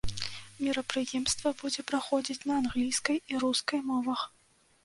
Мерапрыемства будзе праходзіць на англійскай і рускай мовах.